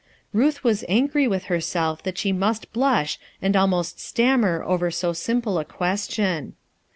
Ruth was angry with herself that she must blush and almost stammer over go simple a question.